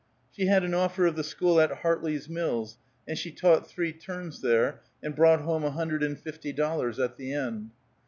She had an offer of the school at Hartley's Mills, and she taught three terms there, and brought home a hundred and fifty dollars at the end.